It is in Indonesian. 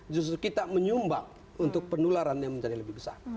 justru kita menyumbang untuk penularan yang menjadi lebih besar